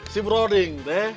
si broding deh